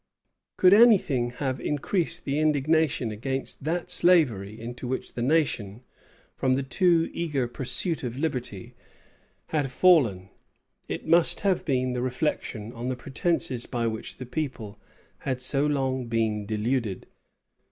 Could any thing have increased the indignation against that slavery into which the nation, from the too eager pursuit of liberty, had fallen, it must have been the reflection on the pretences by which the people had so long been deluded.